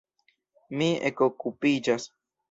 Mi ekokupiĝas.